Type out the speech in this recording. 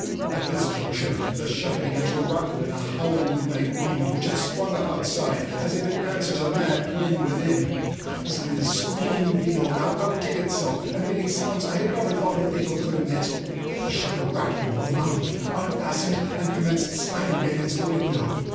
At this juncture the shutter began to rattle in a howling night wind which had sprung up outside as if in answer to the mad playing within. Zann's screaming viol now outdid itself emitting sounds I had never thought a viol could emit. The shutter rattled more loudly, unfastened, and commenced slamming against the window.